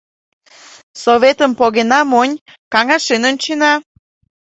Советым погена монь, каҥашен ончена.